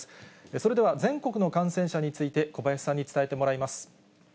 それでは全国の感染者について小林さんに伝えてもらいます。